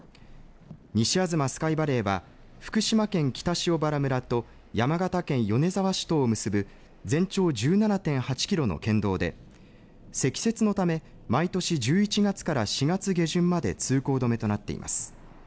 西吾妻スカイバレーは福島県北塩原村と山形県米沢市とを結ぶ全長１７．８キロの県道で積雪のため毎年１１月から４月下旬まで通行止めとなっています。